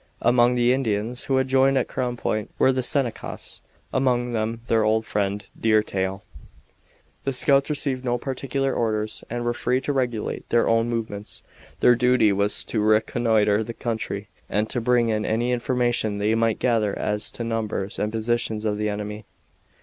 Among the Indians who had joined at Crown Point were the Senecas among them their old friend Deer Tail. The scouts received no particular orders and were free to regulate their own movements. Their duty was to reconnoiter the country ahead and to bring in any information they might gather as to numbers and positions of the enemy.